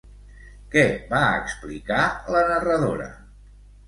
Què va explicar la narradora?